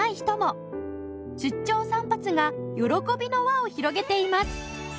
出張散髪が喜びの輪を広げています